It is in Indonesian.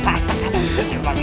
udah banteng nih